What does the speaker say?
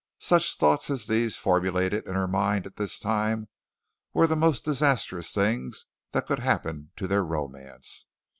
Such thoughts as these formulated in her mind at this time were the most disastrous things that could happen to their romance.